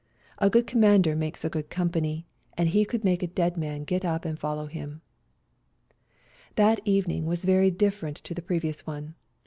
A good commander makes a good company, 142 FIGHTING ON MOUNT CHUKUS and he could make a dead man get up and follow him. That evening was very different to the previous one.